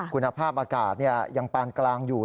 คุณภาพอากาศยังปานกลางอยู่